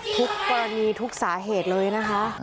ทุกกรณีทุกสาเหตุเลยนะคะ